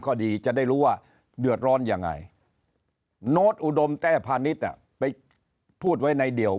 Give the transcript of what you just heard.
ก็ดีจะได้รู้ว่าเดือดร้อนยังไงโน้ตอุดมแต้พาณิชย์ไปพูดไว้ในเดี่ยว